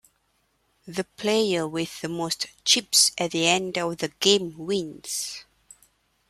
The player with the most chips at the end of the game wins.